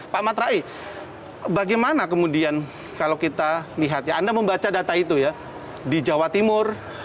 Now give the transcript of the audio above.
pak matrai bagaimana kemudian kalau kita lihat ya anda membaca data itu ya di jawa timur